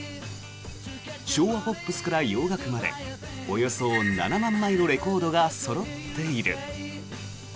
昭和ポップスから洋楽までおよそ７万枚のレコードがそろっている。